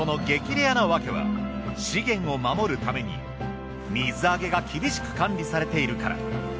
レアなわけは資源を守るために水揚げが厳しく管理されているから。